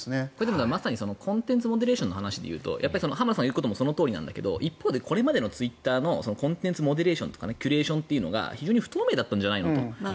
まさにコンテンツモデレーションの話でいうと浜田さんがおっしゃるとおり一方でこれまでのツイッターのコンテンツモデレーションとかキュレーションというのが非常に不透明だったんじゃないのと。